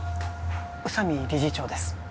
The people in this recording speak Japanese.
宇佐美理事長です